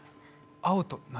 「青と夏」